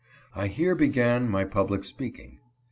I here began my public speaking.